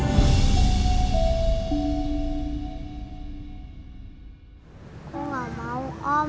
aku gak mau om